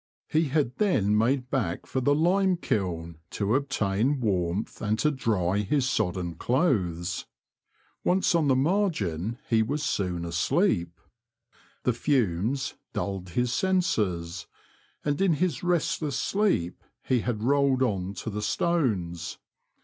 He had then made back for the lime kiln to obtain warmth and to dry his sodden clothes. Once on the The Confessions of a T^oacher, 89 margin he was soon asleep. The fumes dulled his senses, and in his restless sleep he had rolled on to the stones.